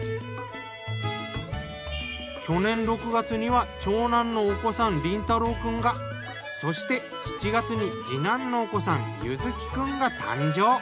去年６月には長男のお子さん凜太郎くんがそして７月に次男のお子さん悠月くんが誕生。